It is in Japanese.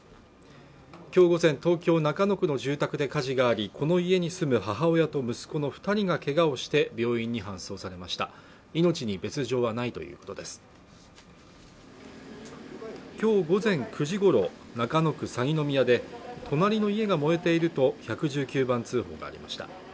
今日午前東京中野区の住宅で火事がありこの家に住む母親と息子の二人がけがをして病院に搬送されました命に別状はないということです今日午前９時ごろ中野区鷺宮で隣の家が燃えていると１１９番通報がありました